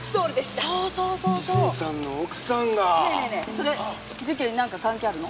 それ事件に何か関係あるの？